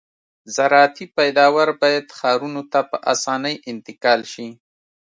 زراعتي پیداوار باید ښارونو ته په اسانۍ انتقال شي